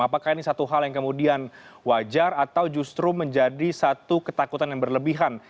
apakah ini satu hal yang kemudian wajar atau justru menjadi satu ketakutan yang berlebihan